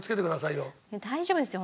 大丈夫ですよ